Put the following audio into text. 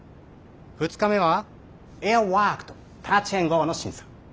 ２日目はエアワークとタッチ＆ゴーの審査。